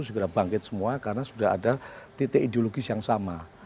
segera bangkit semua karena sudah ada titik ideologis yang sama